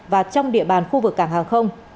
và trong địa bàn khu vực cảng hàng không